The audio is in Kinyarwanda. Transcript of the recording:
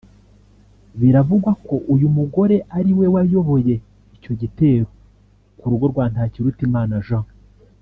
Biravugwa ko uyu mugore ari we wayoboye icyo gitero ku rugo rwa Ntakirutimana Jean